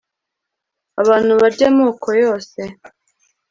abantu barya amoko yose